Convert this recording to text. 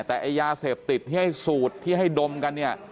แต่ไอ้ยาเสพติดที่ให้สูตรที่ให้ดมกันเนี่ย